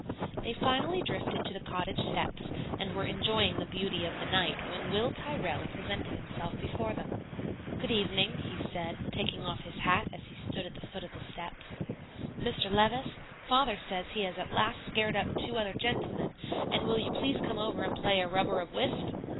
They finally drifted to the cottage steps, and were enjoying the beauty of the night when Will Tyrrell presented himself before them. "Good evening," he said, taking off his hat as he stood at the foot of the steps. "Mr. Levice, Father says he has at last scared up two other gentlemen; and will you please come over and play a rubber of whist?"